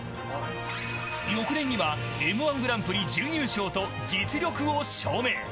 翌年にはＭ−１グランプリ準優勝と実力を証明。